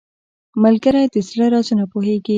ملګری د زړه رازونه پوهیږي